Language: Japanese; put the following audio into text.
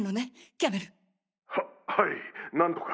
キャメル。ははい何とか。